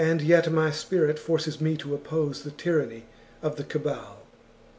1 55 yet my spirit forces me to oppose the tyranny of the chap. cabal.